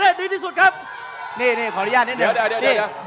คุณจิลายุเขาบอกว่ามันควรทำงานร่วมกัน